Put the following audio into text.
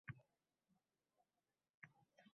U jiddiy butkul oʻzgardi.